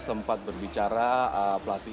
sempat berbicara pelatih